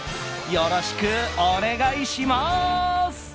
よろしくお願いします。